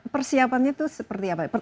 persiapannya itu seperti apa